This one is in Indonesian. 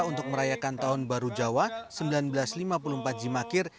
untuk merayakan tahun baru jawa seribu sembilan ratus lima puluh empat jimakir